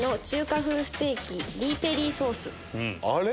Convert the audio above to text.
あれ？